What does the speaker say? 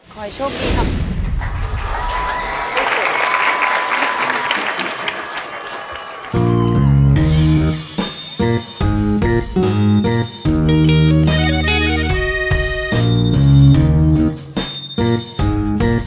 คอยโชคดีครับ